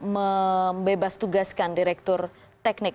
membebas tugaskan direktur teknik